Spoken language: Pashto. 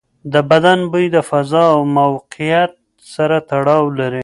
د بدن بوی د فضا او موقعیت سره تړاو لري.